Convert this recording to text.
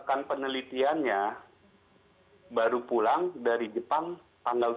rekan penelitiannya baru pulang dari jepang tanggal tujuh